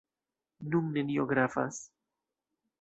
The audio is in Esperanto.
Nun nenio gravas.